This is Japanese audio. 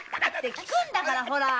効くんだからほら！